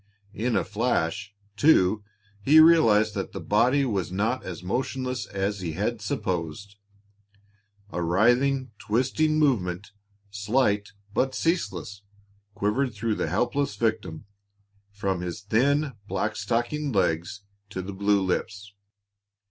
In a flash, too, he realized that the body was not as motionless as he had supposed. A writhing, twisting movement, slight but ceaseless, quivered through the helpless victim, from his thin, black stockinged legs to the blue lips.